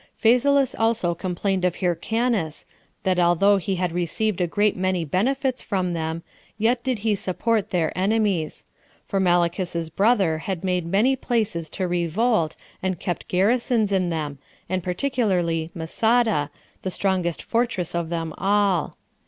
Phasaelus also complained of Hyrcanus, that although he had received a great many benefits from them, yet did he support their enemies; for Malichus's brother had made many places to revolt, and kept garrisons in them, and particularly Masada, the strongest fortress of them all.